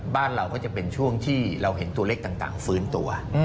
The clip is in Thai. บ้านเราก็จะเป็นช่วงที่เราเห็นตัวเลขต่างฟื้นตัว